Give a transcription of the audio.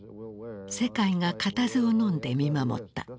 世界が固唾をのんで見守った。